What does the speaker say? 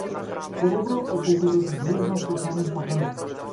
Подобро отколку да те ѕвизнат со камен по грб.